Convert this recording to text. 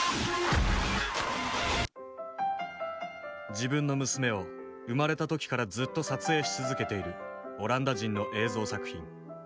自分の娘を生まれた時からずっと撮影し続けているオランダ人の映像作品。